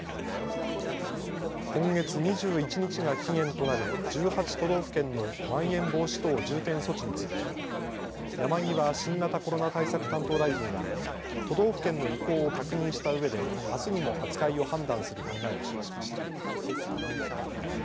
今月２１日が期限となる１８都道府県のまん延防止等重点措置について山際新型コロナ対策担当大臣は都道府県の意向を確認したうえであすにも扱いを判断する考えを示しました。